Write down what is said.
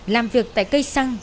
làm việc tại cây xăng